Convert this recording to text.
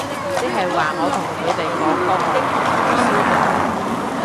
即係話我同佢哋講個項目取消咗